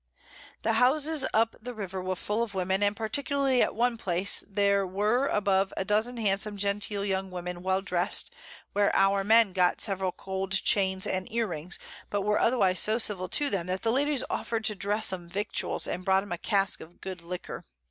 The Houses up the River were full of Women, and particularly at one place there were above a Dozen handsom genteel young Women well dress'd, where our Men got several Gold Chains and Ear rings, but were otherwise so civil to them, that the Ladies offer'd to dress 'em Victuals, and brought 'em a Cask of good Liquor.